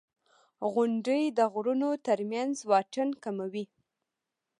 • غونډۍ د غرونو تر منځ واټن کموي.